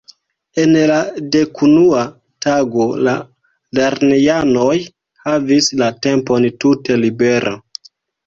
En la dekunua tago la lernejanoj havis la tempon tute libera.